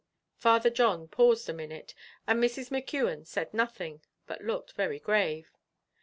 Father John paused a minute, and Mrs. McKeon said nothing, but looked very grave.